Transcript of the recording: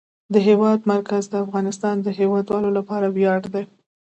د هېواد مرکز د افغانستان د هیوادوالو لپاره ویاړ دی.